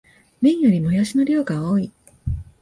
麺よりもやしの量が多い